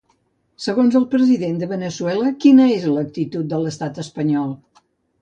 Segons el president de Veneçuela, quina és l'actitud de l'estat espanyol?